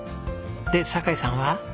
で坂井さんは？